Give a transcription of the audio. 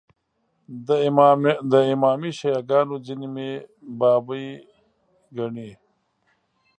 د امامي شیعه ګانو ځینې مې بابي ګڼي.